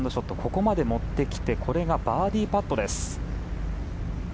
ここまで持ってきてバーディーパットです。